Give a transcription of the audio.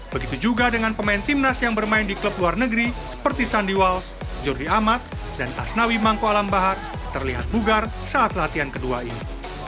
begitu juga dengan pemain timnas yang bermain di klub luar negeri seperti sandy wals jordi amat dan asnawi mangko alam bahar terlihat bugar saat latihan kedua ini